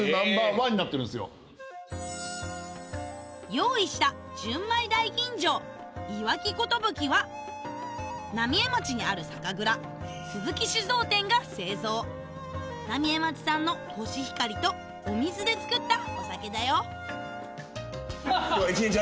用意した浪江町にある酒蔵鈴木酒造店が製造浪江町産のコシヒカリとお水で造ったお酒だよお疲れでした。